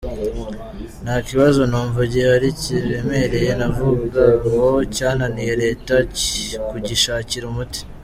Nta kibazo numva gihari kiremereye navuga ngo cyananiye Leta kugishakira umuti.